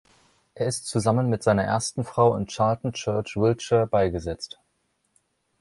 Er ist zusammen mit seiner ersten Frau in Charlton Church, Wiltshire, beigesetzt.